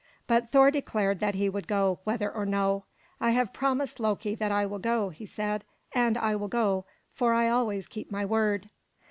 But Thor declared that he would go, whether or no. "I have promised Loki that I will go," he said, "and go I will; for I always keep my word."